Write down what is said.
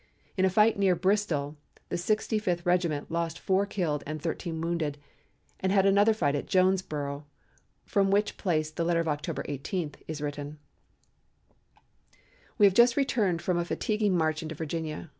In a fight near Bristol the Sixty fifth Regiment lost four killed and thirteen wounded, and had another fight at Jonesboro, from which place the letter of October 18 is written: "We have just returned from a fatiguing march into Virginia.